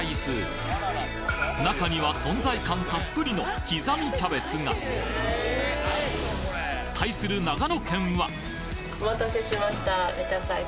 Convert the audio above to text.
中には存在感たっぷりの刻みキャベツが対する長野県はお待たせしました。